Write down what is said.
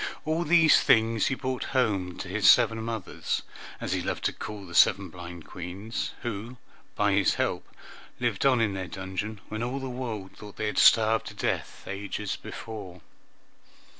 All these, things he brought home to his seven mothers, as he loved to call the seven blind Queens, who by his help lived on in their dungeon when all the world thought they had starved to death ages before.